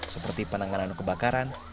seperti penanganan kebakaran